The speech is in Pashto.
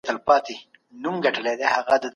که څېړونکی بصیرت ولري نو شننه یې دقیقه وي.